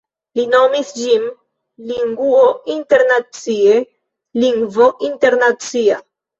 li nomis ĝin Linguo internacie, lingvo internacia.